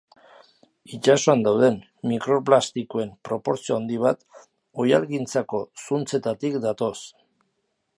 Itsasoan dauden mikroplastikoen proportzio handi bat oihalgintzako zuntzetatik datoz.